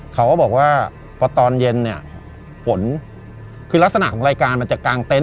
เขาบอกว่าเพราะตอนเย็นฝนคือลักษณะของรายการมันจะกลางเต้นท์